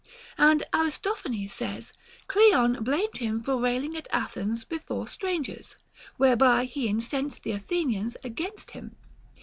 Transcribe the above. And Aristophanes says, Cleon blamed him for rail ing at Athens before strangers, f whereby he incensed the Athenians against him.